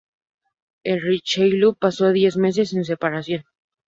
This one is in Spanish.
El Richelieu pasó diez meses en reparación.